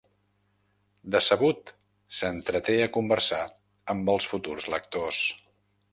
Decebut, s'entreté a conversar amb els futurs lectors.